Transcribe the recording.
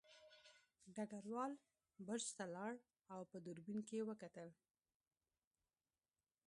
ډګروال برج ته لاړ او په دوربین کې یې وکتل